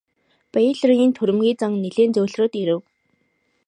Бэйлорын түрэмгий зан нилээн зөөлрөөд ирэв.